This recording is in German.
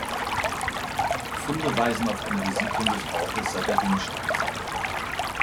Funde weisen auf eine Besiedlung des Ortes seit der Jungsteinzeit hin.